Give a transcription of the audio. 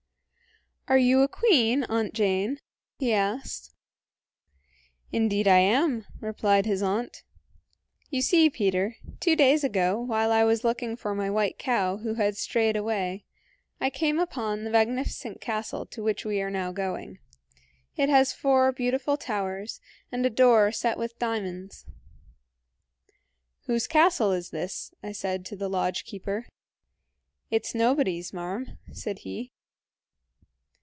"Are you a queen, Aunt Jane?" he asked. "Indeed, I am," replied his aunt. "You see, Peter, two days ago, while I was looking for my white cow who had strayed away, I came upon the magnificent castle to which we are now going. It has four beautiful towers, and a door set with diamonds. "'Whose castle is this?' I said to the lodge keeper. "'It's nobody's, marm,' said he.